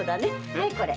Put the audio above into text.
はいこれ。